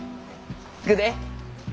行くで。